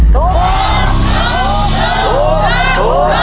ถูก